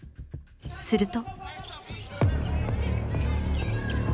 すると。